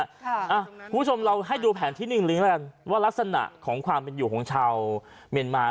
คุณผู้ชมเราให้ดูแผนที่หนึ่งลิงแล้วกันว่ารักษณะของความเป็นอยู่ของชาวเมียนมา